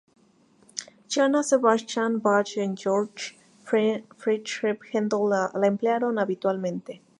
Johann Sebastian Bach y Georg Friedrich Händel la emplearon habitualmente.